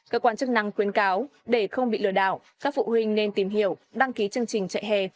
cơ quan chức năng khuyến cáo để không bị lừa đảo các phụ huynh nên tìm hiểu đăng ký chương trình chạy hè